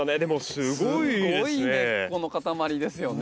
すごい根っこの塊ですよね。